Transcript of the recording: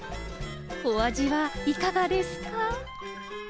お味はいかがですか。